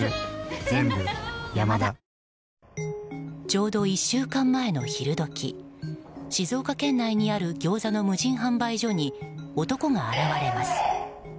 ちょうど１週間前の昼時静岡県内にあるギョーザの無人販売所に男が現れます。